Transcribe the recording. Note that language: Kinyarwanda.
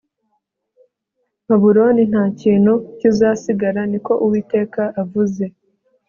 babuloni nta kintu kizasigara ni ko uwiteka avuze